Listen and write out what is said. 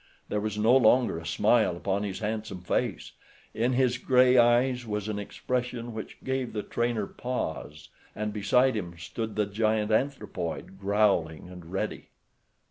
There was no longer a smile upon his handsome face. In his gray eyes was an expression which gave the trainer pause, and beside him stood the giant anthropoid growling and ready.